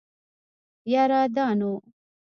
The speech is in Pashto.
يره دا نو.